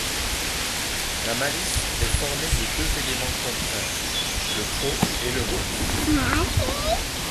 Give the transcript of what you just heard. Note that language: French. La malice est formée de deux éléments contraires, le trop et le moins.